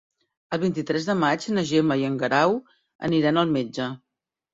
El vint-i-tres de maig na Gemma i en Guerau aniran al metge.